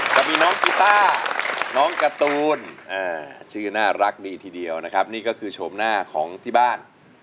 ก็มีน้องกีต้าน้องการ์ตูนชื่อน่ารักดีทีเดียวนะครับนี่ก็คือโฉมหน้าของที่บ้าน